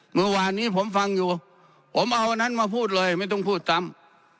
เมื่อวานนี้ผมฟังอยู่ผมเอาอันนั้นมาพูดเลยไม่ต้องพูดซ้ำ